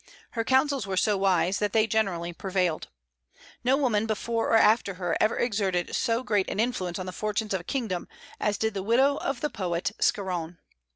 Her counsels were so wise that they generally prevailed. No woman before or after her ever exerted so great an influence on the fortunes of a kingdom as did the widow of the poet Scarron.